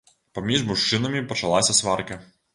Паміж мужчынамі пачалася сварка.